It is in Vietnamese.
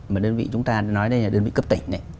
mà đơn vị chúng ta nói đây là đơn vị cấp tỉnh này